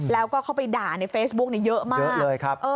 แล้วเข้าไปด่าในเฟซบุล์กเยอะมาก